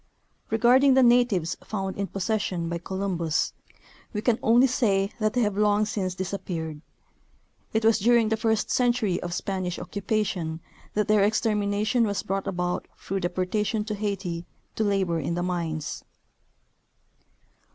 Regarding the natives found in possession by Columbus, we can only say that they have long since disappeared. It was during the first century of Spanish occupation that their exter mination was brought about through deportation to Haiti to labor in the mines.